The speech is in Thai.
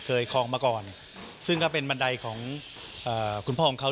คลองมาก่อนซึ่งก็เป็นบันไดของคุณพ่อของเขา